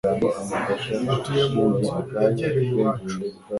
Batuye munzu yegereye iyacu.